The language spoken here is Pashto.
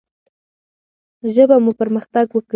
ژبه مو پرمختګ وکړي.